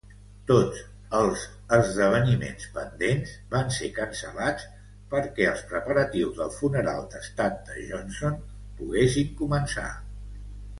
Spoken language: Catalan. Tots els esdeveniments pendents van ser cancel·lats perquè els preparatius del funeral d'estat de Johnson poguessin començar.